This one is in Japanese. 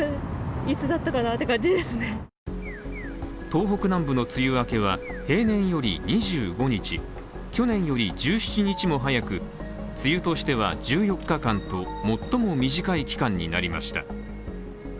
東北南部の梅雨明けは、平年より２５日去年より１７日も早く、梅雨としては１４日間と最も短い期間になりました。